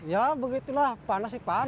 ya begitulah panas sih panas